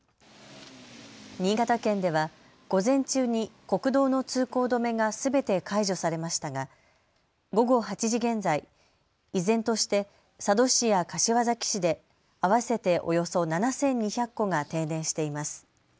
新潟県では午前中に国道の通行止めがすべて解除されましたが午後８時現在、依然として佐渡市や柏崎市で合わせておよそ７２００戸が停電しています。